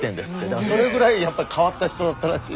だからそれぐらいやっぱり変わった人だったらしいですね。